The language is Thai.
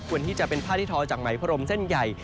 ที่จะเป็นผ้าที่ทอจากไหมพรมเส้นใหญ่